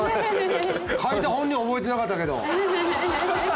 書いた本人覚えてなかったけど。